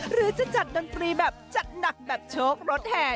หรือจะจัดดนตรีแบบจัดหนักแบบโชครถแห่